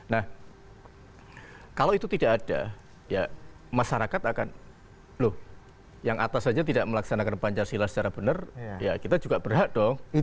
nah kalau itu tidak ada ya masyarakat akan loh yang atas saja tidak melaksanakan pancasila secara benar ya kita juga berhak dong